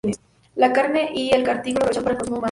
La carne y el cartílago son aprovechados para el consumo humano